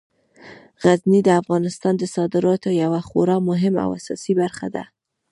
غزني د افغانستان د صادراتو یوه خورا مهمه او اساسي برخه ده.